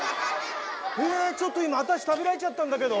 えちょっと今私食べられちゃったんだけど。